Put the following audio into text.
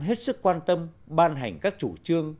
hết sức quan tâm ban hành các chủ trương